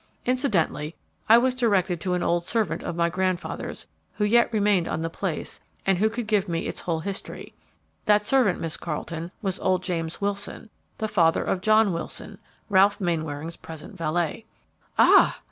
Incidentally, I was directed to an old servant of my grandfather's, who yet remained on the place and who could give me its whole history. That servant, Miss Carleton, was old James Wilson, the father of John Wilson, Ralph Mainwaring's present valet." "Ah!"